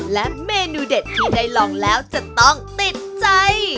และเมนูเด็ดที่ได้ลองแล้วจะต้องติดใจ